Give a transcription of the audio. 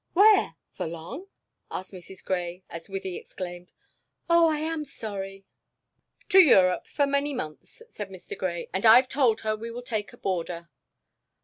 "Where? For long?" asked Mrs. Grey, as Wythie exclaimed: "Oh, I am sorry." "To Europe, for many months," said Mr. Grey. "And I've told her we would take a boarder."